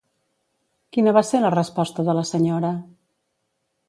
Quina va ser la resposta de la senyora?